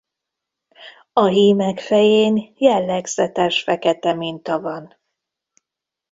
A hímek fején jellegzetes fekete minta van.